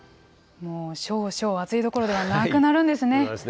もう少々暑いどころではなくなるんですね。